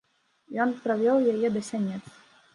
Ён правёў яе да сянец.